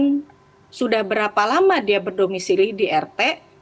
dan sudah berapa lama dia berdomisili di rt